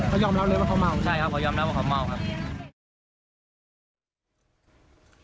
เขายอมรับว่าเขาเมานะครับ